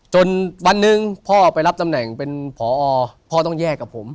จนวันหนึ่งพ่อไปรับตำแหน่งเป็นผอพ่อต้องแยกกับผม